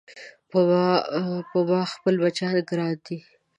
په ما خپل بچيان ګران دي